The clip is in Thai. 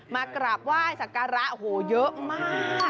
มากราบไหว้สักการะโอ้โหเยอะมาก